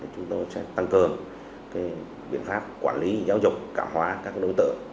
chúng tôi sẽ tăng cường biện pháp quản lý giáo dục cảm hóa các đối tượng